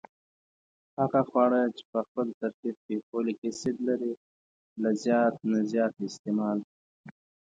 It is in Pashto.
هغه خواړه چې خپل ترکیب کې فولک اسید لري له زیات نه زیات استعمال